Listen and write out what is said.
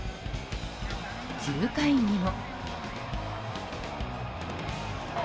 ９回にも。